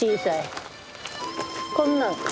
こんなん。